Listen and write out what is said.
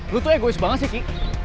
lu tuh egois banget sih ki